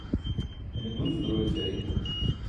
ine gunc duro ećai